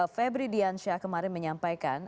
febri diansyah kemarin menyampaikan